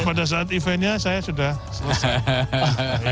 pada saat eventnya saya sudah selesai